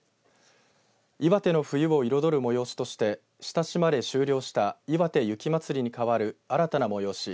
岩手の冬を彩る催しとして親しまれ終了したいわて雪まつりにかわる新たな催し